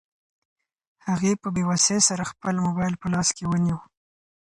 هغې په بې وسۍ سره خپل موبایل په لاس کې ونیو.